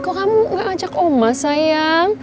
kok kamu gak ajak oma sayang